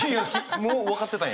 もう分かってたんや！